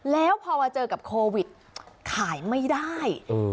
แล้วพอมาเจอกับโควิดขายไม่ได้